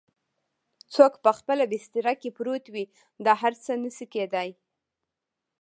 څوک په خپله بستره کې پروت وي دا هر څه نه شي کیدای؟